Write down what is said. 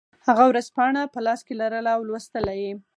هغه ورځپاڼه په لاس کې لرله او لوستله یې